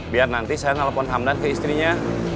biar nanti saya nelfon hamdan ke istrinya